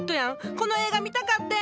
この映画見たかってん。